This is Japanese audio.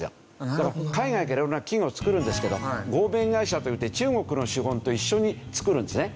だから海外から色んな企業を作るんですけど合弁会社といって中国の資本と一緒に作るんですね。